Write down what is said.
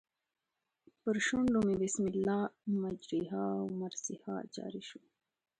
پر شونډو مې بسم الله مجریها و مرسیها جاري شو.